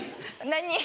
何？